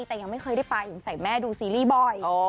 แต่ยังไม่เคยได้ไปใส่แม่ดูซีรีส์บ่อย